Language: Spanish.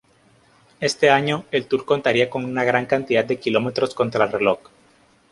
Este año el Tour contaría con una gran cantidad de kilómetros contra el reloj.